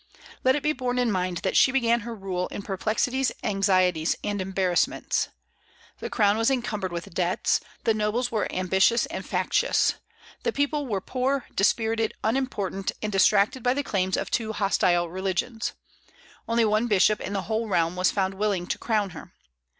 Let it be borne in mind that she began her rule in perplexities, anxieties, and embarrassments. The crown was encumbered with debts; the nobles were ambitious and factious; the people were poor, dispirited, unimportant, and distracted by the claims of two hostile religions. Only one bishop in the whole realm was found willing to crown her.